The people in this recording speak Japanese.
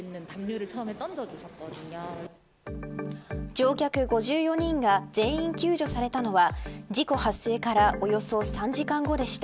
乗客５４人が全員救助されたのは事故発生からおよそ３時間後でした。